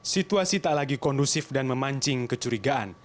situasi tak lagi kondusif dan memancing kecurigaan